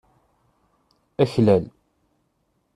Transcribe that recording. Aklal.